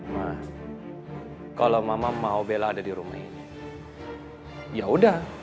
nah kalau mama mau bela ada di rumah ini yaudah